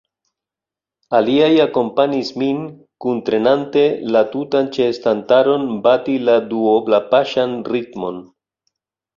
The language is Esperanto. Aliaj akompanis min, kuntrenante la tutan ĉeestantaron bati la duoblapaŝan ritmon.